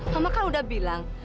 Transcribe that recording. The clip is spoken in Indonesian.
mama kan udah bilang